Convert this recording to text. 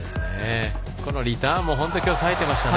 このリターンも本当に今日さえていましたね。